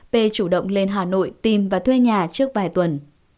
p chủ động lên hà nội tìm và thuê nhà trước vài tuần